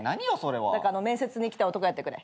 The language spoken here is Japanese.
だから面接に来た男やってくれ。